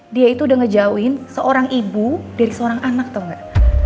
dia itu udah ngejauhin seorang ibu dari seorang anak atau enggak